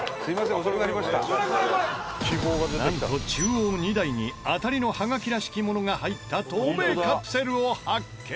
なんと中央２台に当たりのハガキらしきものが入った透明カプセルを発見！